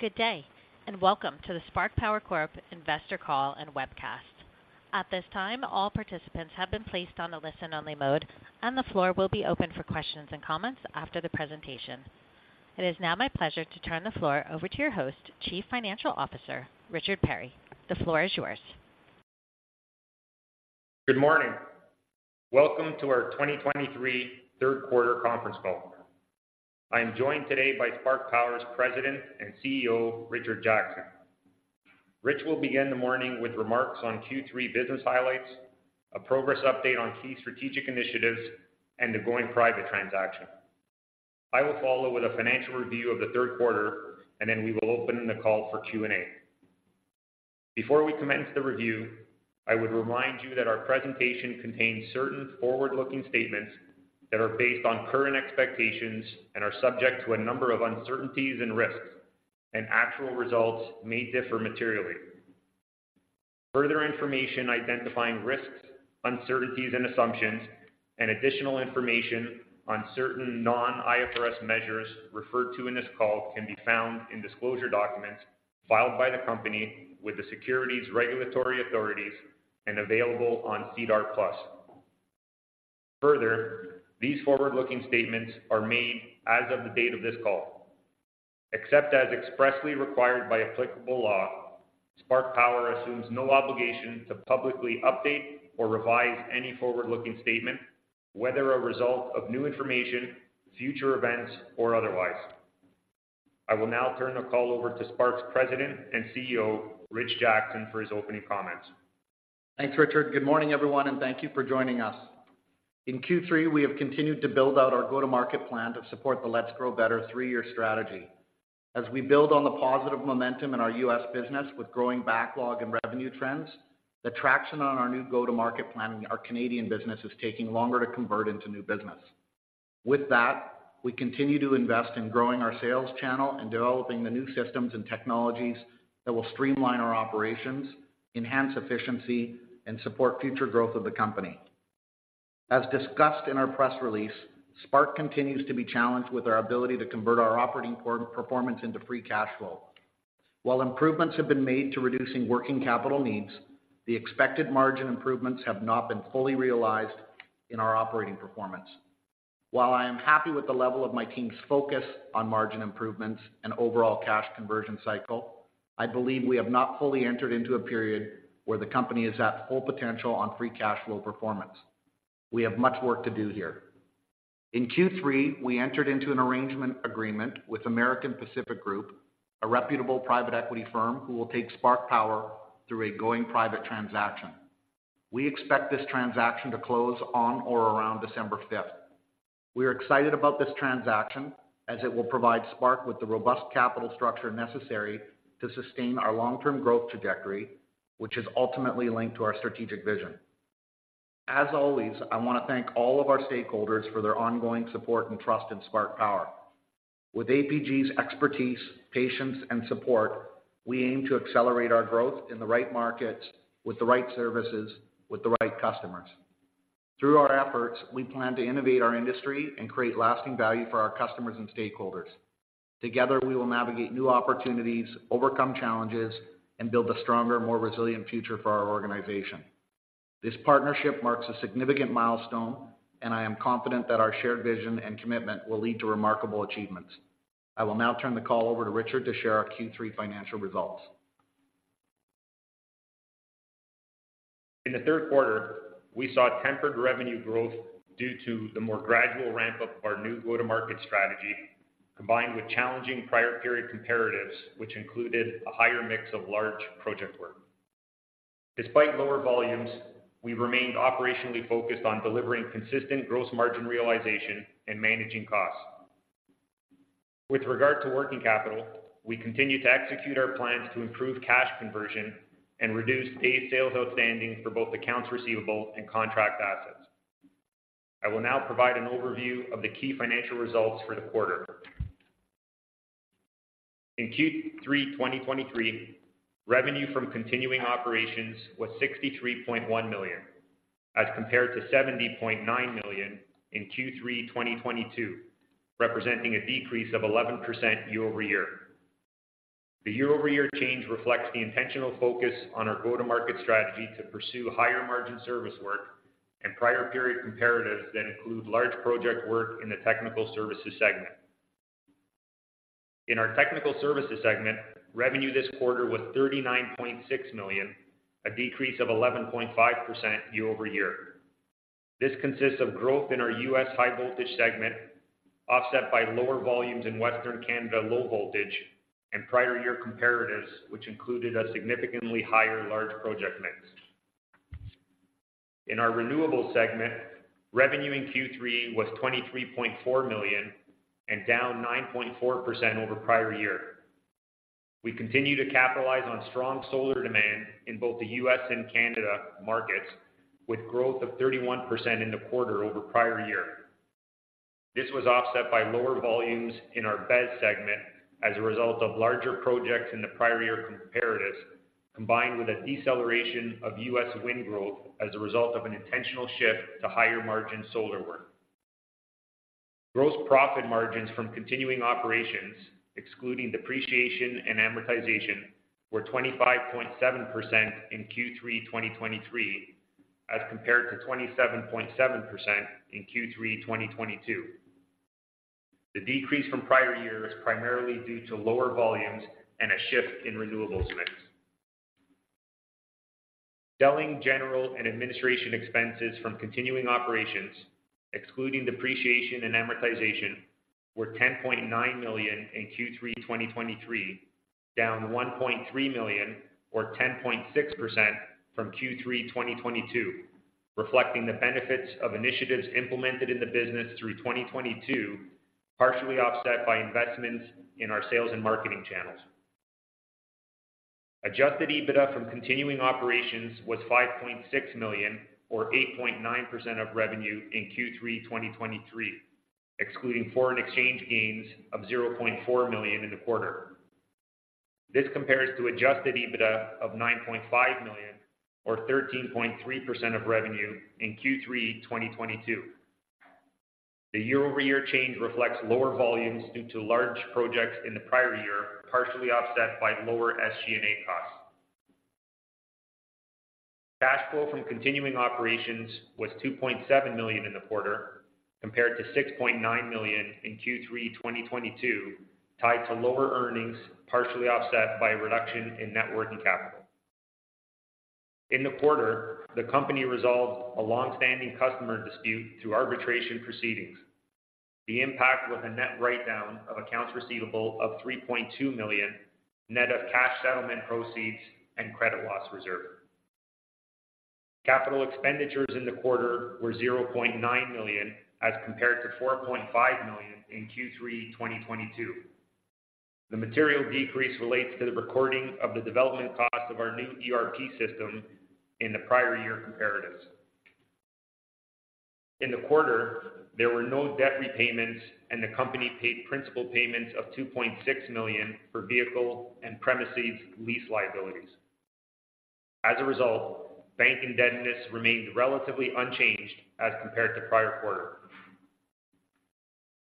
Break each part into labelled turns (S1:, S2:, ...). S1: Good day, and welcome to the Spark Power Corp investor call and webcast. At this time, all participants have been placed on a listen-only mode, and the floor will be open for questions and comments after the presentation. It is now my pleasure to turn the floor over to your host, Chief Financial Officer, Richard Perri. The floor is yours.
S2: Good morning. Welcome to our 2023 third quarter conference call. I am joined today by Spark Power's President and CEO, Richard Jackson. Rich will begin the morning with remarks on Q3 business highlights, a progress update on key strategic initiatives, and the going-private transaction. I will follow with a financial review of the third quarter, and then we will open the call for Q&A. Before we commence the review, I would remind you that our presentation contains certain forward-looking statements that are based on current expectations and are subject to a number of uncertainties and risks, and actual results may differ materially. Further information identifying risks, uncertainties, and assumptions and additional information on certain non-IFRS measures referred to in this call can be found in disclosure documents filed by the Company with the securities regulatory authorities and available on SEDAR+. Further, these forward-looking statements are made as of the date of this call. Except as expressly required by applicable law, Spark Power assumes no obligation to publicly update or revise any forward-looking statement, whether a result of new information, future events, or otherwise. I will now turn the call over to Spark's President and CEO, Rich Jackson, for his opening comments.
S3: Thanks, Richard. Good morning, everyone, and thank you for joining us. In Q3, we have continued to build out our go-to-market plan to support the Let's Grow Better three-year strategy. As we build on the positive momentum in our U.S. business with growing backlog and revenue trends, the traction on our new go-to-market plan in our Canadian business is taking longer to convert into new business. With that, we continue to invest in growing our sales channel and developing the new systems and technologies that will streamline our operations, enhance efficiency, and support future growth of the company. As discussed in our press release, Spark continues to be challenged with our ability to convert our operating core performance into free cash flow. While improvements have been made to reducing working capital needs, the expected margin improvements have not been fully realized in our operating performance. While I am happy with the level of my team's focus on margin improvements and overall cash conversion cycle, I believe we have not fully entered into a period where the company is at full potential on free cash flow performance. We have much work to do here. In Q3, we entered into an arrangement agreement with American Pacific Group, a reputable private equity firm, who will take Spark Power through a going-private transaction. We expect this transaction to close on or around December fifth. We are excited about this transaction as it will provide Spark with the robust capital structure necessary to sustain our long-term growth trajectory, which is ultimately linked to our strategic vision. As always, I want to thank all of our stakeholders for their ongoing support and trust in Spark Power. With APG's expertise, patience, and support, we aim to accelerate our growth in the right markets with the right services, with the right customers. Through our efforts, we plan to innovate our industry and create lasting value for our customers and stakeholders. Together, we will navigate new opportunities, overcome challenges, and build a stronger, more resilient future for our organization. This partnership marks a significant milestone, and I am confident that our shared vision and commitment will lead to remarkable achievements. I will now turn the call over to Richard to share our Q3 financial results.
S2: In the third quarter, we saw tempered revenue growth due to the more gradual ramp-up of our new go-to-market strategy, combined with challenging prior period comparatives, which included a higher mix of large project work. Despite lower volumes, we remained operationally focused on delivering consistent gross margin realization and managing costs. With regard to working capital, we continue to execute our plans to improve cash conversion and reduce day sales outstanding for both accounts receivable and contract assets. I will now provide an overview of the key financial results for the quarter. In Q3 2023, revenue from continuing operations was $63.1 million, as compared to $70.9 million in Q3 2022, representing a decrease of 11% year-over-year. The year-over-year change reflects the intentional focus on our go-to-market strategy to pursue higher-margin service work and prior period comparatives that include large project work in the Technical Services segment. In our Technical Services segment, revenue this quarter was $39.6 million, a decrease of 11.5% year-over-year. This consists of growth in our U.S. High Voltage segment, offset by lower volumes in Western Canada, Low Voltage, and prior year comparatives, which included a significantly higher large project mix. In our Renewables segment, revenue in Q3 was $23.4 million and down 9.4% over prior year. We continue to capitalize on strong solar demand in both the U.S. and Canada markets, with growth of 31% in the quarter over prior year. This was offset by lower volumes in our BESS segment as a result of larger projects in the prior year comparatives, combined with a deceleration of U.S. wind growth as a result of an intentional shift to higher-margin solar work. Gross profit margins from continuing operations, excluding depreciation and amortization, were 25.7% in Q3 2023, as compared to 27.7% in Q3 2022. The decrease from prior year is primarily due to lower volumes and a shift in renewables mix. Selling, general, and administration expenses from continuing operations, excluding depreciation and amortization, were $10.9 million in Q3 2023, down $1.3 million or 10.6% from Q3 2022, reflecting the benefits of initiatives implemented in the business through 2022, partially offset by investments in our sales and marketing channels. Adjusted EBITDA from continuing operations was $5.6 million or 8.9% of revenue in Q3 2023, excluding foreign exchange gains of $0.4 million in the quarter. This compares to adjusted EBITDA of $9.5 million or 13.3% of revenue in Q3 2022. The year-over-year change reflects lower volumes due to large projects in the prior year, partially offset by lower SG&A costs. Cash flow from continuing operations was $2.7 million in the quarter, compared to $6.9 million in Q3 2022, tied to lower earnings, partially offset by a reduction in net working capital. In the quarter, the company resolved a long-standing customer dispute through arbitration proceedings. The impact was a net write-down of accounts receivable of $3.2 million, net of cash settlement proceeds and credit loss reserve. Capital expenditures in the quarter were $0.9 million, as compared to $4.5 million in Q3 2022. The material decrease relates to the recording of the development cost of our new ERP system in the prior year comparatives. In the quarter, there were no debt repayments, and the company paid principal payments of $2.6 million for vehicle and premises lease liabilities. As a result, bank indebtedness remained relatively unchanged as compared to prior quarter.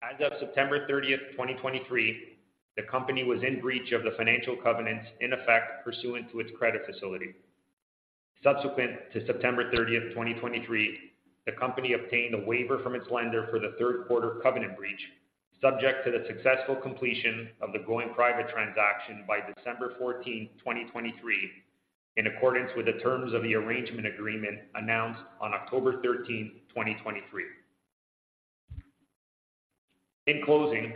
S2: As of September 30, 2023, the company was in breach of the financial covenants in effect pursuant to its credit facility. Subsequent to September 30, 2023, the company obtained a waiver from its lender for the third quarter covenant breach, subject to the successful completion of the going-private transaction by December 14, 2023, in accordance with the terms of the arrangement agreement announced on October 13, 2023. In closing,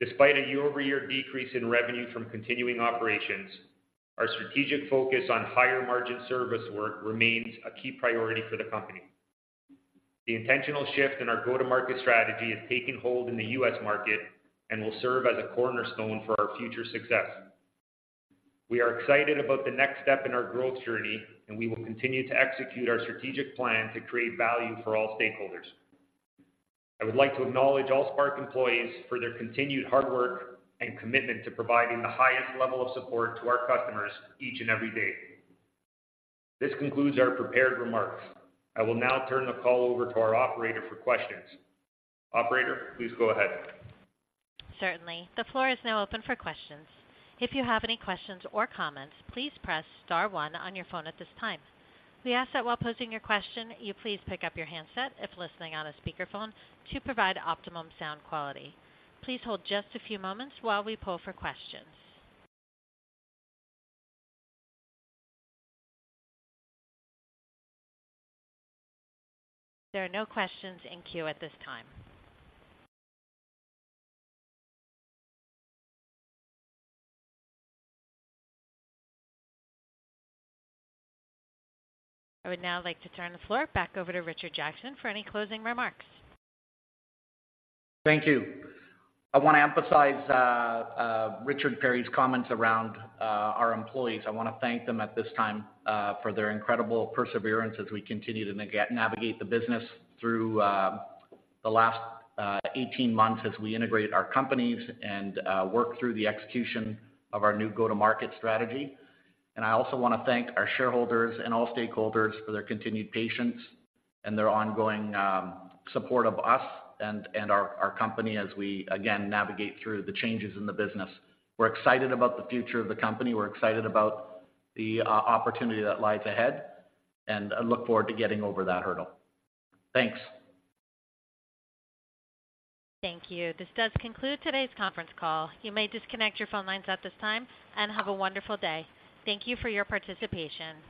S2: despite a year-over-year decrease in revenue from continuing operations, our strategic focus on higher-margin service work remains a key priority for the company. The intentional shift in our go-to-market strategy is taking hold in the U.S. market and will serve as a cornerstone for our future success. We are excited about the next step in our growth journey, and we will continue to execute our strategic plan to create value for all stakeholders. I would like to acknowledge all Spark employees for their continued hard work and commitment to providing the highest level of support to our customers each and every day. This concludes our prepared remarks. I will now turn the call over to our operator for questions. Operator, please go ahead.
S1: Certainly. The floor is now open for questions. If you have any questions or comments, please press star one on your phone at this time. We ask that while posing your question, you please pick up your handset if listening on a speakerphone to provide optimum sound quality. Please hold just a few moments while we poll for questions. There are no questions in queue at this time. I would now like to turn the floor back over to Richard Jackson for any closing remarks.
S3: Thank you. I want to emphasize Richard Perri's comments around our employees. I want to thank them at this time for their incredible perseverance as we continue to navigate the business through the last 18 months as we integrate our companies and work through the execution of our new go-to-market strategy. I also want to thank our shareholders and all stakeholders for their continued patience and their ongoing support of us and our company as we again navigate through the changes in the business. We're excited about the future of the company. We're excited about the opportunity that lies ahead, and I look forward to getting over that hurdle. Thanks.
S1: Thank you. This does conclude today's conference call. You may disconnect your phone lines at this time, and have a wonderful day. Thank you for your participation.